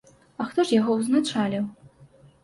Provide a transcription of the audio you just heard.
А хто ж яго ўзначаліў?